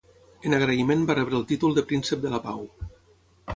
En agraïment va rebre el títol de Príncep de la Pau.